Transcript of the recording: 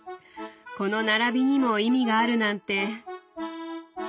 この並びにも意味があるなんて。